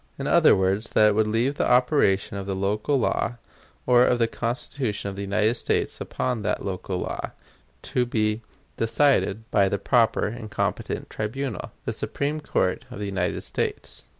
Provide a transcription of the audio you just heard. In other words, that it would leave the operation of the local law, or of the Constitution of the United States upon that local law, to be decided by the proper and competent tribunal the Supreme Court of the United States."